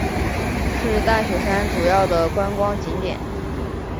是大雪山主要的观光景点。